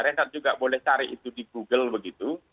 renat juga boleh cari itu di google begitu